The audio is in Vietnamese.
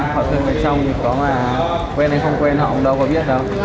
họ thuê người trong thì có mà quen hay không quen họ cũng đâu có biết đâu